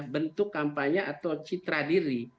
bentuk kampanye atau citra diri